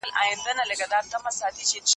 دې لېونتوب ته ټوله حیران دي